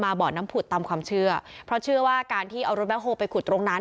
บ่อน้ำผุดตามความเชื่อเพราะเชื่อว่าการที่เอารถแคคโฮลไปขุดตรงนั้น